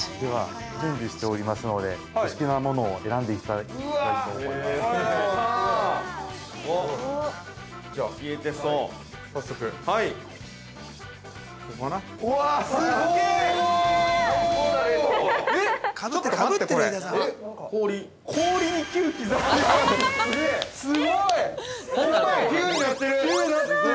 ◆準備しておりますので、お好きなものを選んでいただきたいと思います。